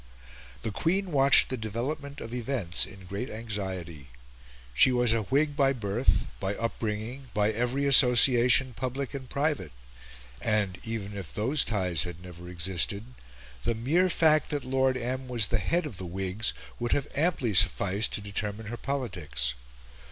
The Queen watched the development of events in great anxiety. She was a Whig by birth, by upbringing, by every association, public and private; and, even if those ties had never existed, the mere fact that Lord M. was the head of the Whigs would have amply sufficed to determine her politics.